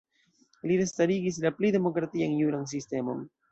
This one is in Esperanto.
Li restarigis la pli demokratian juran sistemon.